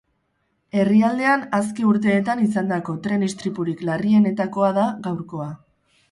Herrialdean azken urteetan izandako tren istripurik larrienetakoa da gaurkoa.